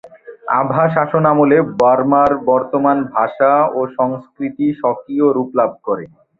আভা শাসনামলে বার্মার বর্তমান ভাষা ও সংস্কৃতি স্বকীয় রূপ লাভ করে।